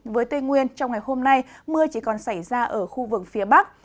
với tây nguyên trong ngày hôm nay mưa chỉ còn xảy ra ở khu vực phía bắc